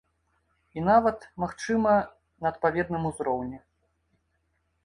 І нават, магчыма, на адпаведным узроўні.